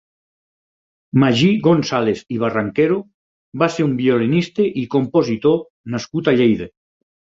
Magí González i Barranquero va ser un violinista i compositor nascut a Lleida.